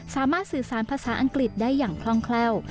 สามารถสื่อสารภาษาอังกฤษได้อย่างคล่องแคล่ว